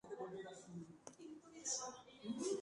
El resultado de su esfuerzo es esta grabación.